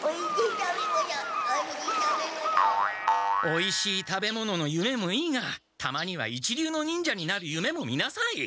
おいしい食べ物のゆめもいいがたまには一流の忍者になるゆめも見なさい！